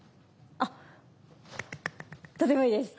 あっとてもいいです。